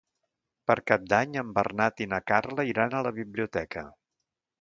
Per Cap d'Any en Bernat i na Carla iran a la biblioteca.